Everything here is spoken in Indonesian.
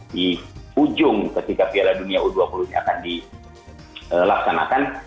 di ujung ketika piala dunia u dua puluh ini akan dilaksanakan